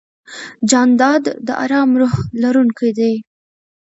جانداد د ارام روح لرونکی دی.